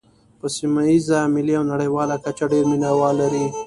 په سیمه ییزه، ملي او نړیواله کچه ډېر مینوال لري.